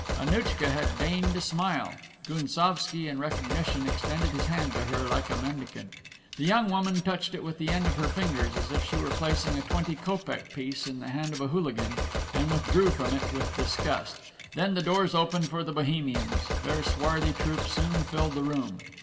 Annouchka had deigned to smile. Gounsovski, in recognition, extended his hand to her like a mendicant. The young woman touched it with the end of her fingers, as if she were placing a twenty kopeck piece in the hand of a hooligan, and withdrew from it with disgust. Then the doors opened for the Bohemians. Their swarthy troupe soon filled the room.